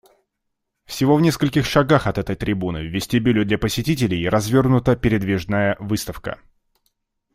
Всего в нескольких шагах от этой трибуны — в вестибюле для посетителей — развернута передвижная выставка.